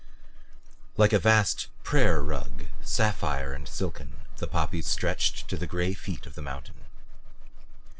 Like a vast prayer rug, sapphire and silken, the poppies stretched to the gray feet of the mountain.